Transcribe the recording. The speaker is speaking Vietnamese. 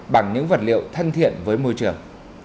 bằng những vật liệu thân thiện với môi trường